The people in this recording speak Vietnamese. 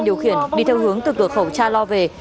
điều khiển đi theo hướng từ cửa khẩu cha lo về